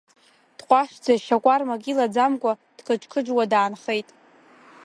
Дҟәашӡа шьа кәармак илаӡамкәа дқыџь-қыџьуа даанхеит.